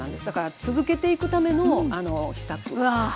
だから続けていくための秘策。